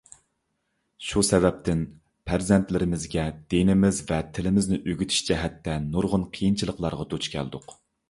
شۇ سەۋەبتىن پەرزەنتلىرىمىزگە دىنىمىز ۋە تىلىمىزنى ئۆگىتىش جەھەتتە نۇرغۇن قىيىنچىلىقلارغا دۇچ كەلدۇق.